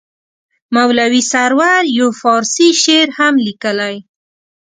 مولوي سرور یو فارسي شعر هم لیکلی.